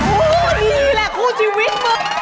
โอ้โฮดีแหละคู่ชีวิต